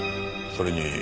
それに。